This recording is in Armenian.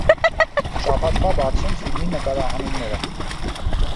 Շաբաթվա բացում ֆիլմի նկարահանումները։